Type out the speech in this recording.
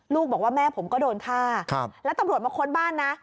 บอกว่าแม่ผมก็โดนฆ่าแล้วตำรวจมาค้นบ้านนะ